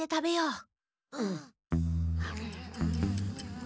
うん。